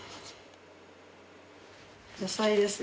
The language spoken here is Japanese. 野菜です